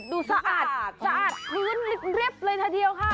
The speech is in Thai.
ดูสะอาดสะอาดคือเรียบเลยทันเดียวค่ะ